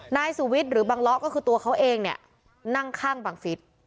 นายสุวิทย์หรือบังเลาะก็คือตัวเขาเองเนี่ยนั่งข้างบังฟิศ